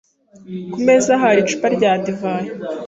Ku meza hari icupa rya divayi.